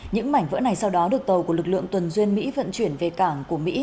những mảnh vỡ này sau đó được tàu của lực lượng tuần duyên mỹ vận chuyển về cảng của mỹ